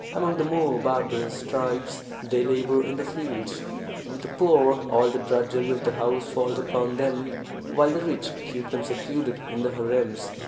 Among the more barbarous tribes they labor in the fields. With the poor all the drudgery of the house falls upon them, while the rich keep them secluded in the harems.